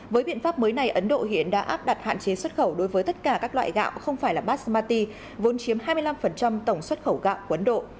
với biện pháp mới này ấn độ hiện đã áp đặt hạn chế xuất khẩu đối với tất cả các loại gạo không phải là basmati vốn chiếm hai mươi năm tổng xuất khẩu gạo của ấn độ